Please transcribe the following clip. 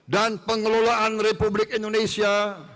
dan pengelolaan republik indonesia